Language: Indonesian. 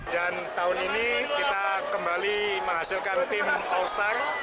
dan tahun ini kita kembali menghasilkan tim all star